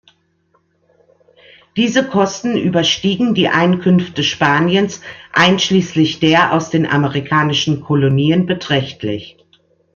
Diese Kosten überstiegen die Einkünfte Spaniens einschließlich der aus den amerikanischen Kolonien beträchtlich.